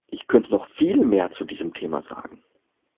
Ich könnte noch viel mehr zu diesem Thema sagen.